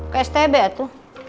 ke stb tuh